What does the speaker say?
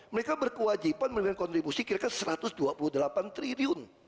mereka berkewajiban memberikan kontribusi kira kira satu ratus dua puluh delapan triliun